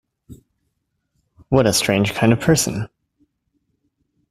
What a strange kind of person!